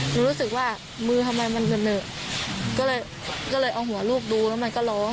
รู้สึกว่ามือทำไมมันเสนอก็เลยก็เลยเอาหัวลูกดูแล้วมันก็ร้อง